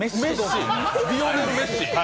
リオネル・メッシ？